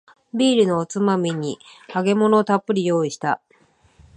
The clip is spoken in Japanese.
ビールのおつまみに揚げ物をたっぷり用意した